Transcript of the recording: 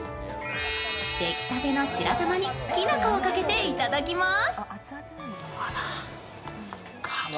できたての白玉にきな粉をかけて頂きます。